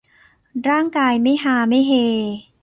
ร่างกายไม่ฮาไม่เฮ